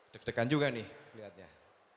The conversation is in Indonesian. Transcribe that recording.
deg degan juga nih